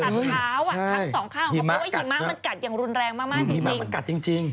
ตัดเท้าทั้งสองข้างเขาบอกว่าหิมะมันกัดอย่างรุนแรงมากจริง